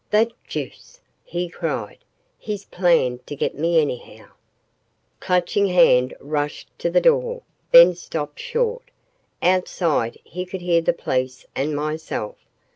"The deuce!" he cried. "He's planned to get me anyhow!" Clutching Hand rushed to the door then stopped short. Outside he could hear the police and myself.